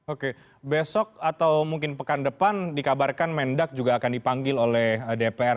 oke besok atau mungkin pekan depan dikabarkan mendak juga akan dipanggil oleh dpr